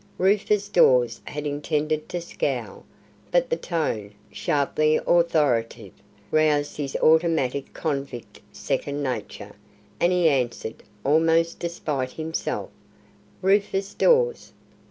Rufus Dawes had intended to scowl, but the tone, sharply authoritative, roused his automatic convict second nature, and he answered, almost despite himself, "Rufus Dawes."